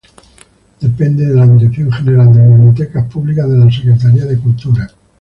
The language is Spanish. Depende de la Dirección General de Bibliotecas Públicas de la Secretaría de Cultura.